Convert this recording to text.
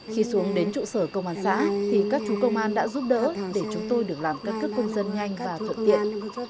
khi xuống đến trụ sở công an xã thì các chú công an đã giúp đỡ để chúng tôi được làm căn cức công dân nhanh và thuận tiện